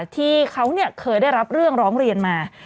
ที่เขาเคยได้รับเรื่องร้องเรียนมา